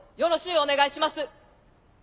お願いします。